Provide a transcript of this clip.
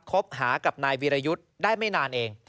คบหากับนายวีรยุทธ์ได้ไม่นานเอง